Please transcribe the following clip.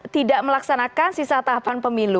tidak melaksanakan sisa tahapan pemilu